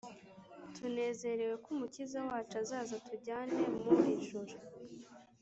tunezerewe ko umukiza wacu azaza atujyane mu ijuru